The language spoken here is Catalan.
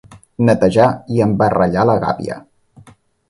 Netejar i embarrellar la gàbia.